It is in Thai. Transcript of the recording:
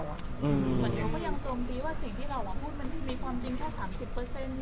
เหมือนเดี๋ยวก็ยังตรงดีว่าสิ่งที่เราพูดมันมีความจริงแค่๓๐